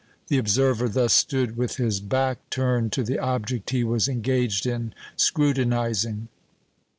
The observer thus stood with his back turned to the object he was engaged in scrutinising.